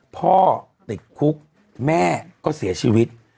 พ่อติดคุกแม่ก็เสียชีวิต